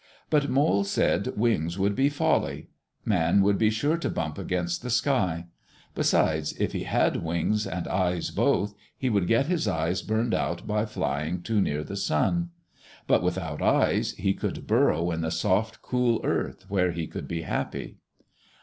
But Mole said wings would be folly. Man would be sure to bump against the sky. Besides, if he had wings and eyes both, he would get his eyes burned out by flying too near the sun. But without eyes, he could burrow in the soft, cool earth where he could be happy.